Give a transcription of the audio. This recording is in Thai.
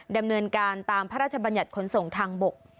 ดำเนินการตามพระราชบัญญัติขนส่งทางบก